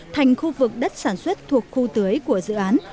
thành khu vực đất sản xuất thuộc khu tưới của dự án